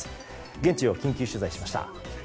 現地を緊急取材しました。